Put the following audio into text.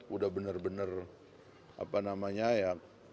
udah bener bener apa namanya ya